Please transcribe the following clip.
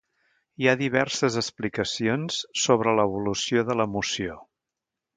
Hi ha diverses explicacions sobre l'evolució de l'emoció.